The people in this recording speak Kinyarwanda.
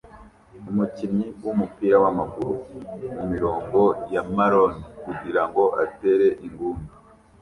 umukinnyi wumupira wamaguru mumirongo ya marone kugirango atere inguni